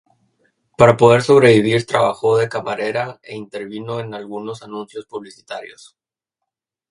Para poder sobrevivir trabajó de camarera e intervino en algunos anuncios publicitarios.